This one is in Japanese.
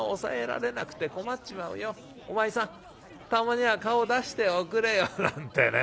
たまには顔を出しておくれよ』なんてね